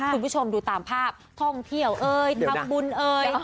คุณผู้ชมดูตามภาพท่องเที่ยวเอ่ยทำบุญเอ่ย